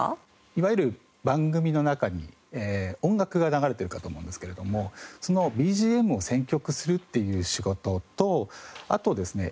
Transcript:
いわゆる番組の中に音楽が流れているかと思うんですけれどもそのＢＧＭを選曲するっていう仕事とあとですね